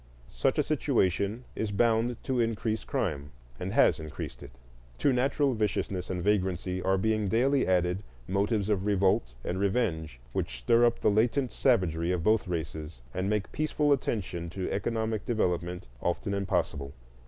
Such a situation is bound to increase crime, and has increased it. To natural viciousness and vagrancy are being daily added motives of revolt and revenge which stir up all the latent savagery of both races and make peaceful attention to economic development often impossible.